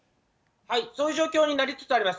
そういう状況になりつつあります。